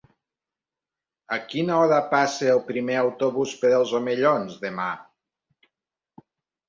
A quina hora passa el primer autobús per els Omellons demà?